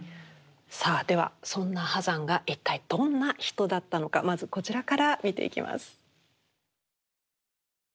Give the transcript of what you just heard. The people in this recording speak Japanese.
さあではそんな波山が一体どんな人だったのかまずこちらから見ていきます。